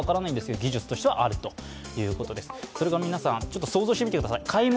皆さん、想像してみてください。